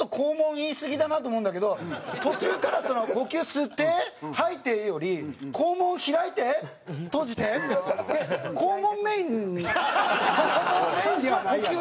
言いすぎだなと思うんだけど途中から「呼吸吸って吐いて」より「肛門開いて閉じて」って肛門メインではないやろ。